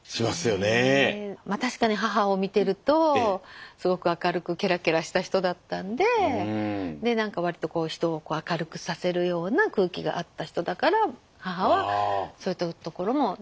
確かに母を見てるとすごく明るくケラケラした人だったんでで何か割と人を明るくさせるような空気があった人だから母はそういったところも。